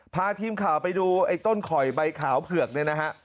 พาทีมข่าวไปดูไอ้ต้นข่อยใบขาวเผือกเนี่ยนะฮะ